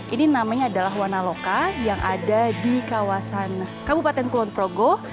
ini namanya adalah warna loka yang ada di kawasan kabupaten kulon progo